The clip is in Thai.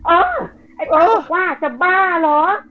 อ้าวป๊าบอกว่าจะบ้าเหรอ